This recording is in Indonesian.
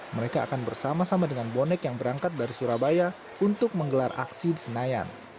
mereka akan bersama sama dengan bonek yang berangkat dari surabaya untuk menggelar aksi di senayan